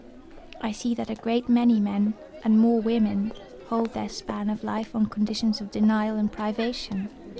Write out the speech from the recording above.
I see that a great many men, and more women, hold their span of life on conditions of denial and privation.